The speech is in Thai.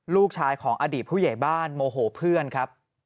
ลูกชายของอดีตผู้ใหญ่บ้านโมโหเพื่อนครับ